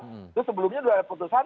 itu sebelumnya sudah ada putusan